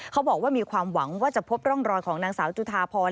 เขาบอกว่ามีความหวังว่าจะพบร่องรอยของนางสาวจุธาพร